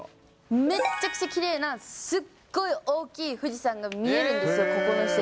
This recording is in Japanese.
めっちゃくちゃきれいな、すっごい大きい富士山が見えるんですよ、ここの施設。